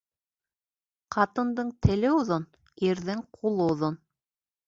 Ҡатындың теле оҙон, ирҙең ҡулы оҙон.